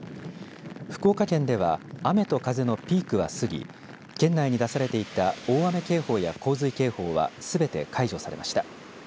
福岡県では雨と風のピークは過ぎ県内に出されていた大雨警報や洪水警報はすべて解除されました。